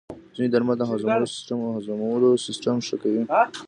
ځینې درمل د هضمولو سیستم ښه کوي.